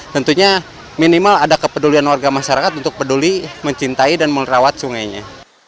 tentunya minimal ada kepedulian warga masyarakat untuk peduli mencintai dan merawat sungainya